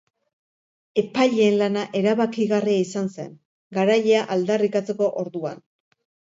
Epaileen lana erabakigarria izan zen garailea aldarrikatzeko orduan.